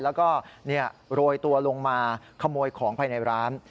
แล้วก็โรยตัวลงมาขโมยของภายในร้าน